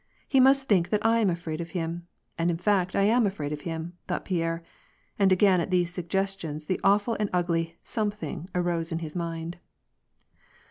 He must think that I am afraid of him. And in fact I am afraid of him," thought Pierre, and again at these suggestions the awful and ugly something arose in his mind.